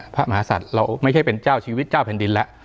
พระมหาศัตริย์เราไม่ใช่เป็นเจ้าชีวิตเจ้าแผ่นดินแล้ว